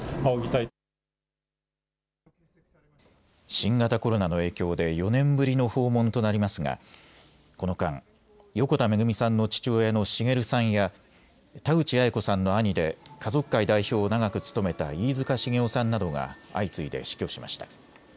新型コロナの影響で４年ぶりの訪問となりますがこの間、横田めぐみさんの父親の滋さんや田口八重子さんの兄で家族会代表を長く務めた飯塚繁雄さんなどが相次いで死去しました。